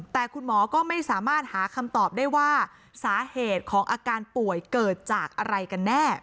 แต่คุณหมอก็ไม่สามารถหาคำตอบได้ว่าสาเหตุของอาการป่วยเกิดจากอะไรกันแน่